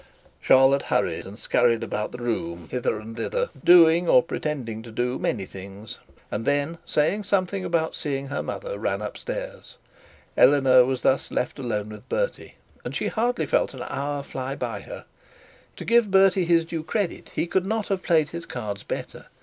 Charlotte hurried and skurried about the room hither and thither, doing, or pretending to do many things; and then saying something about seeing her mother, ran up stairs. Eleanor was then left alone with Bertie, and she hardly felt and hour fly by her. To give Bertie his due credit, he could not have played his cards better.